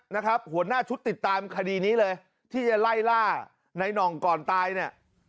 นะครับหัวหน้าชุดติดตามคดีนี้เลยที่จะไล่ล่าในน่องก่อนตายเนี่ย